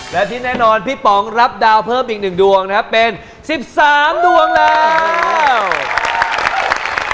และที่แน่นอนพี่ป๋องรับดาวเพิ่มอีกหนึ่งดวงนะครับเป็น๑๓ดวงแล้ว